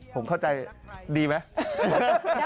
ผมเข้าใจดีไหม